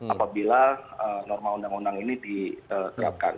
apabila norma undang undang ini diterapkan